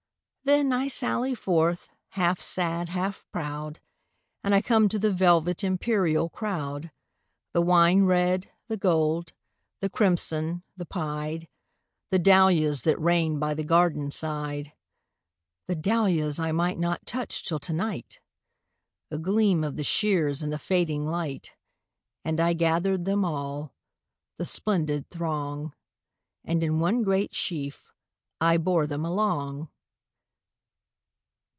Then, I sally forth, half sad, half proud, And I come to the velvet, imperial crowd, The wine red, the gold, the crimson, the pied,—The dahlias that reign by the garden side. The dahlias I might not touch till to night!A gleam of the shears in the fading light, And I gathered them all,—the splendid throng, And in one great sheaf I bore them along..